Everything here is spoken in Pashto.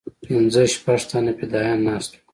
پنځه شپږ تنه فدايان ناست وو.